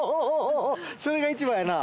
それが一番やな。